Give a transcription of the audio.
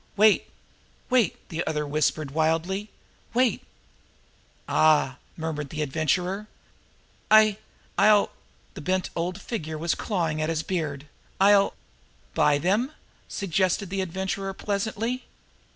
Wait! Wait!" the other whispered wildly. "Wait!" "Ah!" murmured the Adventurer. "I I'll" the bent old figure was clawing at his beard "I'll " "Buy them?" suggested the Adventurer pleasantly.